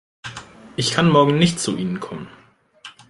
Ich kann morgen nicht zu Ihnen kommen.